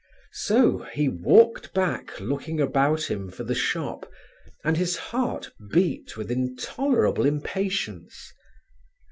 So he walked back looking about him for the shop, and his heart beat with intolerable impatience.